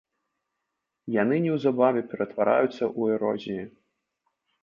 Яны неўзабаве ператвараюцца ў эрозіі.